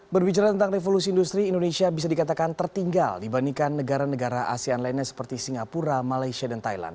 berbicara tentang revolusi industri indonesia bisa dikatakan tertinggal dibandingkan negara negara asean lainnya seperti singapura malaysia dan thailand